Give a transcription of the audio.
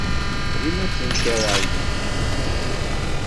Dima ttenkareɣ zik.